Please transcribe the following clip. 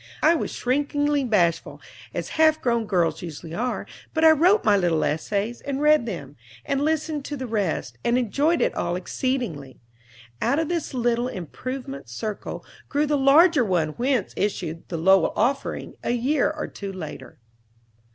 I was shrinkingly bashful, as half grown girls usually are, but I wrote my little essays and read them, and listened to the rest, and enjoyed it all exceedingly. Out of this little "Improvement Circle" grew the larger one whence issued the "Lowell Offering," a year or two later.